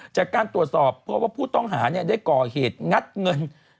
จากการตรวจสอบเพราะว่าผู้ต้องหาได้ก่อเหตุงัดเงิน